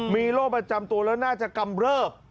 มีโรคประจำตัวแล้วน่าจะกำเริบ